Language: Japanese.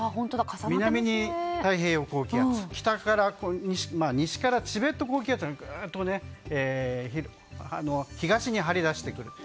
南に太平洋高気圧西からチベット高気圧がぐぐっと東に張り出してくる。